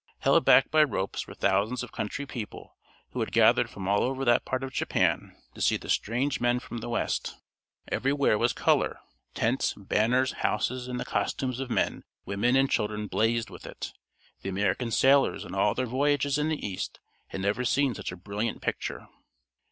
Held back by ropes were thousands of country people who had gathered from all over that part of Japan to see the strange men from the West. Everywhere was color. Tents, banners, houses, and the costumes of men, women and children blazed with it. The American sailors in all their voyages in the East had never seen such a brilliant picture.